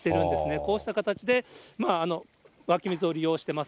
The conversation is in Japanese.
こうした形で湧水を利用してます。